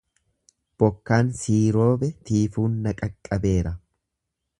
Bokkaan sii roobe tiifuun na qaqqabeera.